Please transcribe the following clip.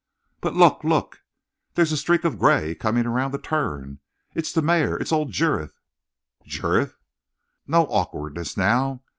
"But look! Look! There's a streak of gray coming around the turn. It's the mare! It's old Jurith!" "Jurith!" "No awkwardness now!